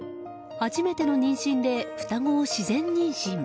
初めての妊娠で双子を自然妊娠。